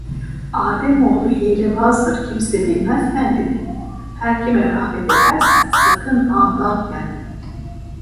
Âdemoğlu hîlebâzdır, kimse bilmez fendini! Her kime rağbet edersen, sakın andan kendini.